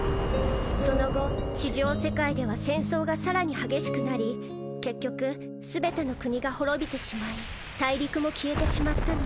その後地上世界では戦争がさらに激しくなり結局全ての国が滅びてしまい大陸も消えてしまったのです。